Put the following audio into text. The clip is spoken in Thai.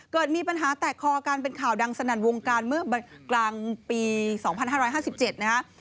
เกิดมีปัญหาแตกคอการเป็นข่าวดังสนันวงการเมื่อกลางปีสองพันห้าร้ายห้าสิบเจ็ดนะฮะ